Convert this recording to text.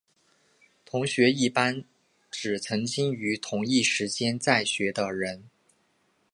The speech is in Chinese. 同学一般指曾经于同一时间在学的人。